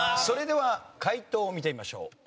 それでは解答を見てみましょう。